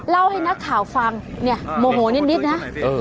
เล่าให้นักข่าวฟังเนี่ยโมโหนิดนะ